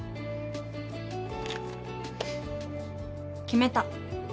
決めた。